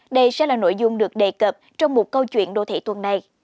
đây sẽ là nội dung được đề cập trong một câu chuyện đô thị tuần này